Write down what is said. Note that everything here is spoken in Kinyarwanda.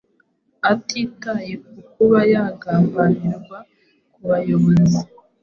atitaye ku kuba yagambanirwa ku bayobozi